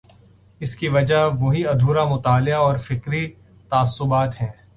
اس کی وجہ وہی ادھورا مطالعہ اور فکری تعصبات ہیں۔